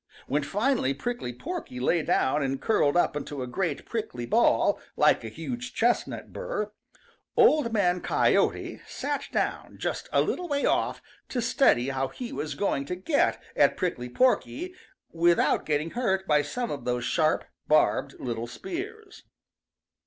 When finally Prickly Porky lay down and curled up into a great prickly ball, like a huge chestnut burr, Old Man Coyote sat down just a little way off to study how he was going to get at Prickly Porky without getting hurt by some of those sharp, barbed little spears.